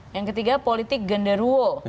yang ketiga politik genderuo